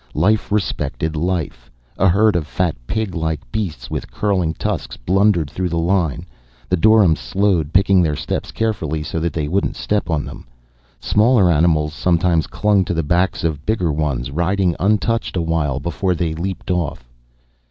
Life respected life. A herd of fat, piglike beasts with curling tusks, blundered through the line. The doryms slowed, picking their steps carefully so they wouldn't step on them. Smaller animals sometimes clung to the backs of the bigger ones, riding untouched a while, before they leaped off.